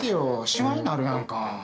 しわになるやんか。